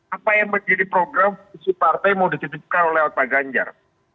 apa yang menjadi program si partai yang mau dititipkan oleh pak ganjar